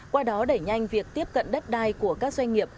qua đó đẩy nhanh việc tiếp cận đất đai của các doanh nghiệp